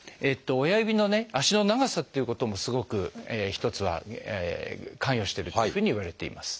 親指のね足の長さっていうこともすごく一つは関与しているっていうふうにいわれています。